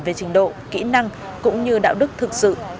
về trình độ kỹ năng cũng như đạo đức thực sự